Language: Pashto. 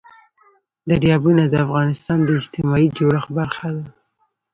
دریابونه د افغانستان د اجتماعي جوړښت برخه ده.